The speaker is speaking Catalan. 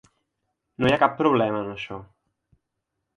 No hi ha cap problema, en això.